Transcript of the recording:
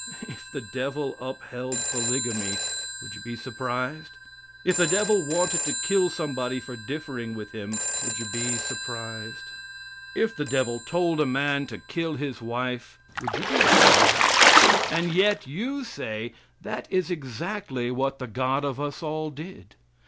If the devil upheld polygamy would you be surprised? If the devil wanted to kill somebody for differing with him would you be surprised? If the devil told a man to kill his wife, would you be astonished? And yet, you say, that is exactly what the God of us all did.